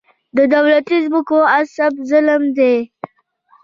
د دولتي ځمکو غصب ظلم دی.